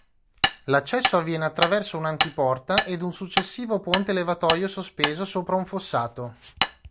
L'accesso avviene attraverso un'antiporta ed un successivo ponte levatoio sospeso sopra un fossato.